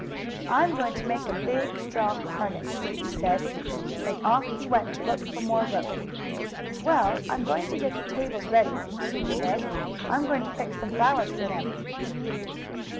"I'm going to make a big, strong harness," he said, and off he went to look for more rope. "Well, I'm going to get the tables ready," Sue said. "I'm going to pick some flowers for them."